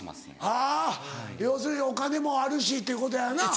はぁ要するにお金もあるしということやよな。